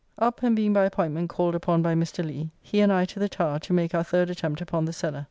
Up and being by appointment called upon by Mr. Lee, he and I to the Tower, to make our third attempt upon the cellar.